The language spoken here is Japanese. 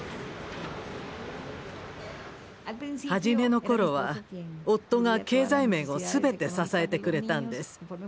初めのころは夫が経済面を全て支えてくれたんです。